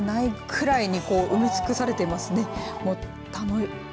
隙間がないくらいに埋め尽くされていますね。